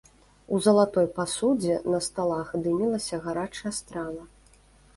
У залатой пасудзе на сталах дымілася гарачая страва.